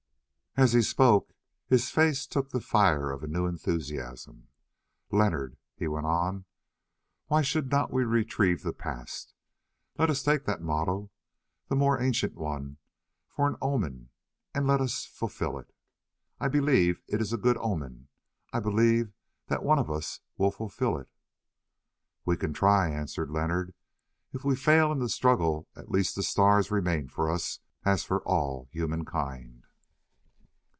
'" As he spoke his face took the fire of a new enthusiasm: "Leonard," he went on, "why should not we retrieve the past? Let us take that motto—the more ancient one—for an omen, and let us fulfil it. I believe it is a good omen, I believe that one of us will fulfil it." "We can try," answered Leonard. "If we fail in the struggle, at least the stars remain for us as for all human kind."